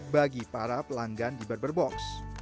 bagi para pelanggan di barber box